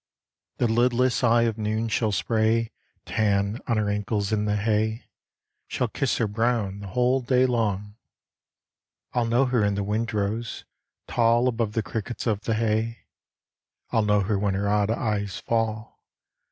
The lidless eye of noon shall spray Tan on her ankles in the hay, Shall kiss her brown the whole day long. I'll know her in the windrows, tall Above the crickets of the hay. I'll know her when her odd eyes fall.